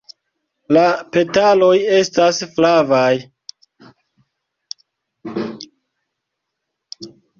La petaloj estas flavaj.